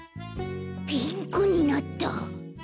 ピンクになった。